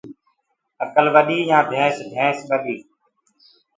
اڪل ٻڏي يآن ڀينس ڀينس ٻڏي